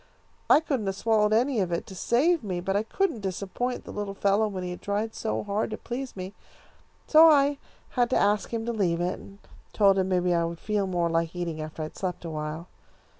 I couldn't have swallowed any of it, to save me, but I couldn't disappoint the little fellow when he had tried so hard to please me, so I had to ask him to leave it, and told him maybe I would feel more like eating after I had slept awhile.